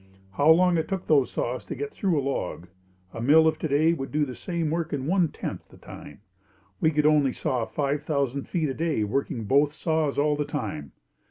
How long it took those saws to get through a log! A mill of today could do the same work in one tenth the time. We could only saw five thousand feet a day working both saws all the time.